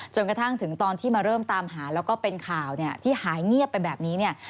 จนกระทั่งถึงตอนที่มาเริ่มตามหาแล้วก็เป็นข่าวเนี่ยที่หายเงียบไปแบบนี้เนี่ย